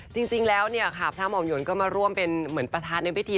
จริงแล้วพระอำนวนก็มาร่วมเป็นเหมือนประธาตุในพิธี